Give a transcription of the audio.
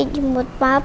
aku tadi dijemput papa